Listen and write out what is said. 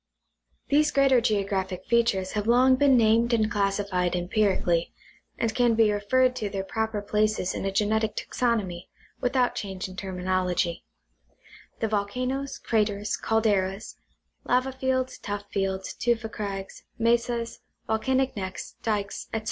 These greater geographic features have long been named The Classification of Geographic Forms hy Genesis. 31 and classified empirically, and can be referred to their proper places in a genetic taxonomy without change in terminology. The volcanoes, craters, calderas, lava fields, tuff fields, tufa crags, mesas, volcanic necks, dykes, etc.